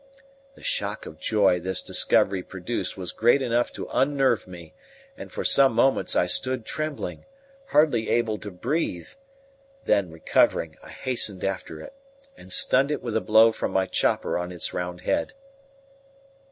The shock of joy this discovery produced was great enough to unnerve me, and for some moments I stood trembling, hardly able to breathe; then recovering I hastened after it, and stunned it with a blow from my chopper on its round head.